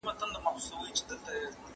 ¬ پر کرنگ نيمه دانه هم ډېره ده.